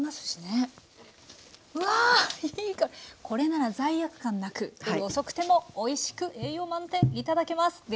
これなら罪悪感なく夜遅くてもおいしく栄養満点頂けます！